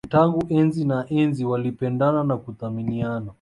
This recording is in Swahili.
Tangu enzi na enzi walipendana na kuthaminiana